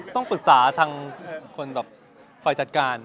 ต้องปรึกษาทางคนแบบฝ่ายจัดการ